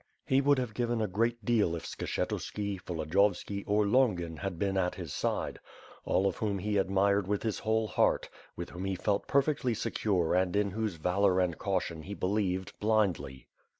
He would have given a great deal if Skshetuski, Volodiyovski, or Lon gin had been at his side; all of whom he admired with his whole heart, with whom he felt perfectly secure and in whose valor and caution he believed blindly.